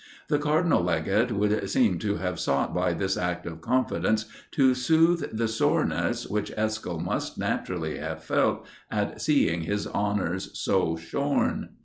The Cardinal Legate would seem to have sought by this act of confidence to soothe the soreness, which Eskill must naturally have felt at seeing his honors so shorn.